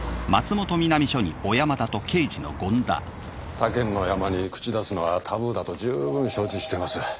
他県のヤマに口出すのはタブーだと十分承知してます